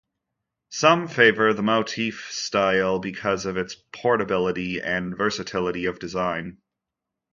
Some favor the motif style because of its portability and versatility of design.